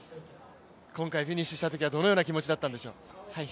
今回フィニッシュしたときはどのような気持ちだったんでしょう？